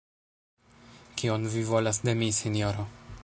Kion vi volas de mi, sinjoro?